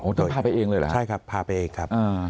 โอ้โฮเธอพาไปเองเลยหรือครับใช่ครับพาไปเองครับ